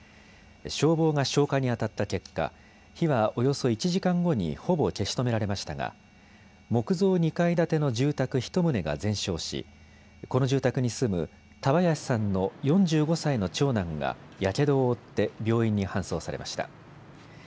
消防が消火にあたった結果、火はおよそ１時間後にほぼ消し止められましたが木造２階建ての住宅１棟が全焼しこの住宅に住む田林さんの４５歳の長男がやけどを負って病院に搬送されました。